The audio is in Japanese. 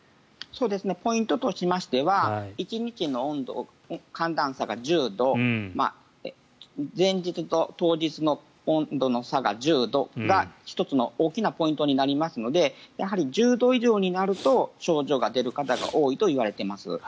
ポイントとしてましては１日の寒暖差が１０度前日と当日の温度の差が１０度が１つの大きなポイントになりますのでやはり１０度以上になると症状が出る方が多いといわれています。